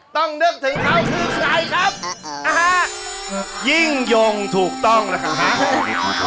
นึกถึงเขาคือใครครับนะฮะยิ่งยงถูกต้องนะครับ